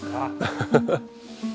ハハハハ。